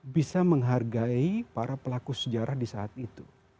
bisa menghargai para pelaku sejarah di saat itu